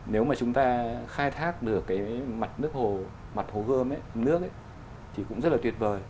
nếu mà chúng ta khai thác được cái mặt nước hồ mặt hồ gơm ấy nước ấy thì cũng rất là tuyệt vời